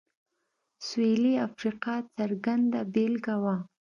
سوېلي افریقا څرګنده بېلګه وه.